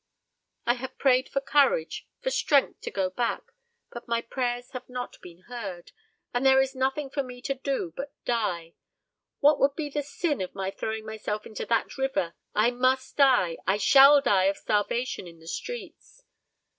I have prayed for courage, for strength to go back, but my prayers have not been heard; and there is nothing for me but to die. What would be the sin of my throwing myself into that river! I must die; I shall die of starvation in the streets."